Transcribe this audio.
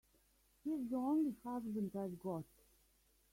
He's the only husband I've got.